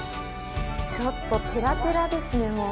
ちょっと、テラテラですね、もう。